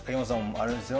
あれですよ。